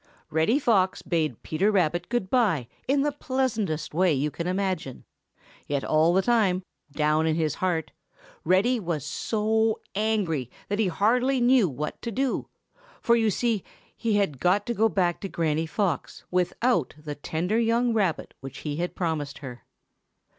Reddy Fox bade Peter Rabbit good by in the pleasantest way you can imagine, yet all the time, down in his heart, Reddy was so angry that he hardly knew what to do, for you see he had got to go back to Granny Fox without the tender young rabbit which he had promised her.